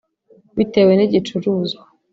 bitewe n’igicuruzwa